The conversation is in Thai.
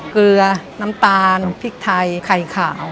เกลือน้ำตาลพริกไทยไข่ขาว